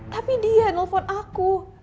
tapi dia yang telpon aku